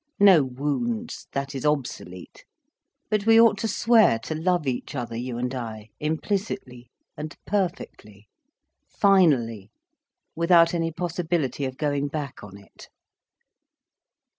No wounds, that is obsolete. But we ought to swear to love each other, you and I, implicitly, and perfectly, finally, without any possibility of going back on it."